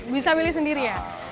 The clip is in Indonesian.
bisa milih sendiri ya